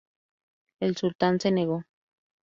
El Sultán se negó.